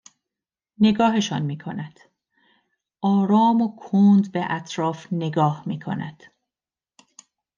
نگاهشان میکند آرام و کند به اطراف نگاه میکند